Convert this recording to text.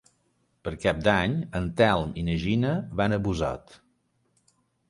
Per Cap d'Any en Telm i na Gina van a Busot.